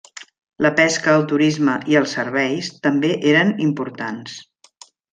La Pesca, el turisme i els serveis també eren importants.